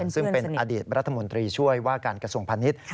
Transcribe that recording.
ซึ่งเป็นอดีตรัฐมนตรีช่วยว่าการกระสุนพันธุ์